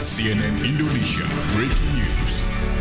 cnn indonesia breaking news